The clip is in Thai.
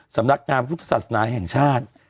สำนักงานพุทธศาสนาแห่งชาติ